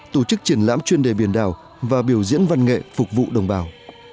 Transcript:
tổ chức triển lãm chuyên đề biển đảo và biểu diễn văn nghệ phục vụ đồng bào